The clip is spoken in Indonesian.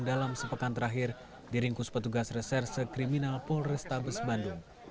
dalam sepekan terakhir diringkus petugas reserse kriminal polrestabes bandung